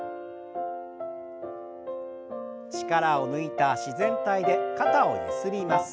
力を抜いた自然体で肩をゆすります。